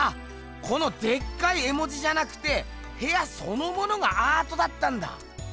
このでっかい絵文字じゃなくてへやそのものがアートだったんだ！